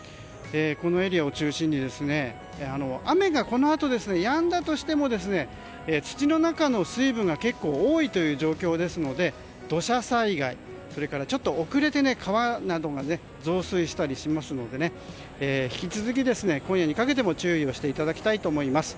このエリアを中心に雨がこのあとやんだとしても土の中の水分が結構多い状況ですので土砂災害や、遅れて川などが増水したりしますので引き続き今夜にかけても注意をしていただきたいと思います。